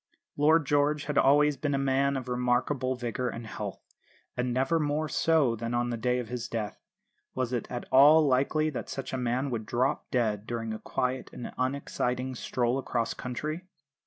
Lord George had always been a man of remarkable vigour and health, and never more so than on the day of his death. Was it at all likely that such a man would drop dead during a quiet and unexciting stroll across country?